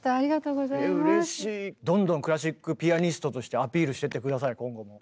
どんどんクラシックピアニストとしてアピールしてって下さい今後も。